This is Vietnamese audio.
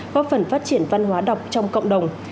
có phần phát triển văn hóa độc trong cộng đồng